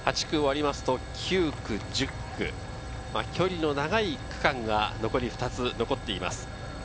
８区を終わると９区、１０区距離の長い区間が残り２つ残っています。